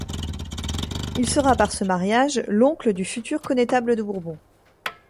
Il sera par ce mariage l'oncle du futur connétable de Bourbon.